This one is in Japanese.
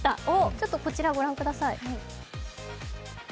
ちょっとこちらをご覧ください。